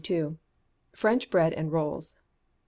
French Bread and Rolls.